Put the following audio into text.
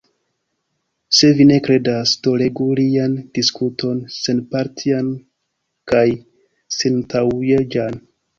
Se vi ne kredas, do legu lian diskuton senpartian kaj senantaŭjuĝan.